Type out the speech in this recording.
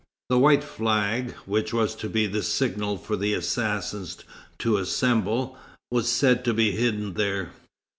The white flag, which was to be the signal for the assassins to assemble, was said to be hidden there.